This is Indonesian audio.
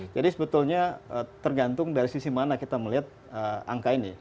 jadi sebetulnya tergantung dari sisi mana kita melihat angka ini